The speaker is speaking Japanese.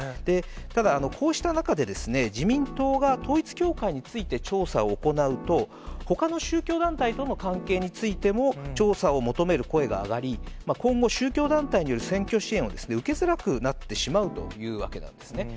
ただ、こうした中で、自民党が統一教会について調査を行うと、ほかの宗教団体との関係についても調査を求める声が上がり、今後、宗教団体による選挙支援を受けづらくなってしまうというわけなんですね。